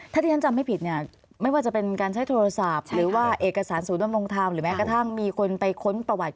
ถ้าที่ฉันจำไม่ผิดไม่ว่าจะเป็นการใช้โทรศัพท์